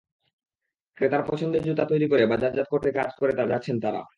ক্রেতার পছন্দের জুতা তৈরি করে বাজারজাত করতে কাজ করে যাচ্ছেন তাঁরা।